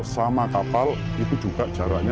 sama kapal itu juga jaraknya